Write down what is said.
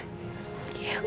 harus berubah bu